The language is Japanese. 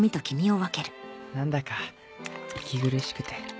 なんだか息苦しくて。